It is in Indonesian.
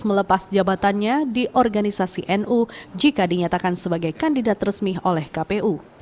melepas jabatannya di organisasi nu jika dinyatakan sebagai kandidat resmi oleh kpu